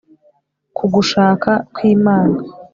k'ugushaka kw'imana